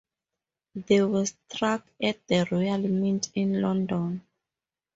These were struck at the Royal Mint in London.